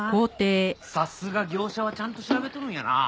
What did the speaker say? さすが業者はちゃんと調べとるんやなあ。